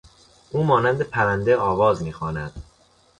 او مانند پرنده آواز میخواند.